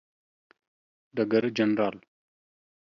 ډګر جنرال